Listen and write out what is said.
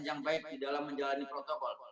yang baik dalam menjalani protokol